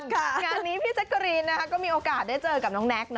งานนี้พี่แจ๊กกะรีนก็มีโอกาสได้เจอกับน้องแน็กนะ